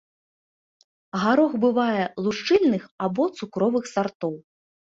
Гарох бывае лушчыльных або цукровых сартоў.